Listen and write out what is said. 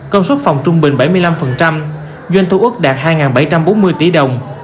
công suất phòng trung bình bảy mươi năm doanh thu ước đạt hai bảy trăm bốn mươi tỷ đồng